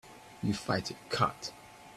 You fight it cut.